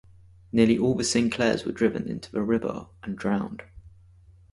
Nearly all the Sinclairs were driven into the river and drowned.